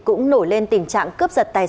cũng nổi lên tình trạng cướp giật